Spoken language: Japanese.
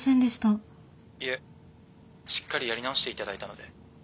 いえしっかりやり直して頂いたので。